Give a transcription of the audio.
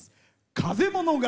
「風物語」。